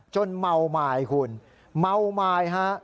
จนเมาไมค์คุณเมาไมค์ฮะ